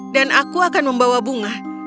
dan aku akan membawa bunga